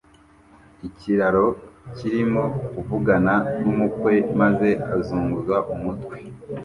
Ikiraro kirimo kuvugana n'umukwe maze azunguza umutwe